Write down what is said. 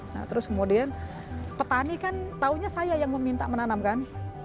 nah terus kemudian petani kan taunya saya yang meminta menanamkan